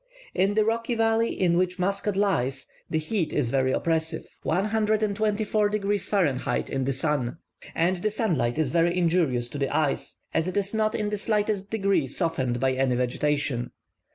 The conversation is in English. In the rocky valley in which Muscat lies the heat is very oppressive (124 degrees Fah. in the sun), and the sunlight is very injurious to the eyes, as it is not in the slightest degree softened by any vegetation.